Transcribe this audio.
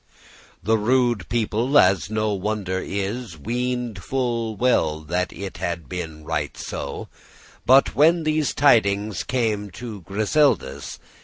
The rude people, as no wonder is, Weened* full well that it had been right so: *thought, believed But, when these tidings came to Griseldis.